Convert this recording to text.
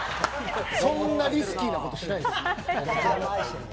そんなリスキーなことしないです。